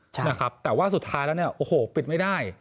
ใช่นะครับแต่ว่าสุดท้ายแล้วเนี่ยโอ้โหปิดไม่ได้